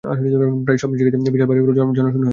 প্রায় সব জায়গাতেই বিশাল বাড়িগুলো জনশূন্য হয়ে থাকে।